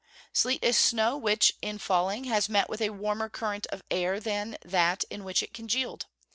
_ Sleet is snow which, in falling, has met with a warmer current of air than that in which it congealed.